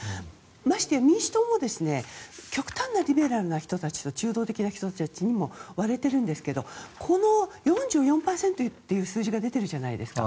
ましてや、民主党も極端なリベラルな人たちと中道的な人たちにも割れているんですがこの４４％という数字が出ているじゃないですか。